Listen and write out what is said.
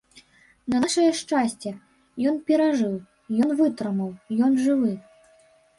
На нашае шчасце, ён перажыў, ён вытрымаў, ён жывы.